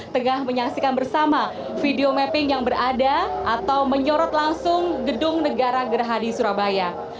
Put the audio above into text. tengah menyaksikan bersama video mapping yang berada atau menyorot langsung gedung negara gerhadi surabaya